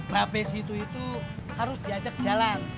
babes itu itu harus diacak jalan